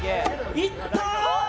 いったー！